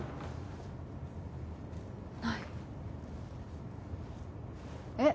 ないえっ